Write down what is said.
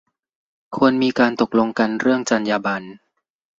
ควรมีการตกลงกันเรื่องจรรยาบรรณ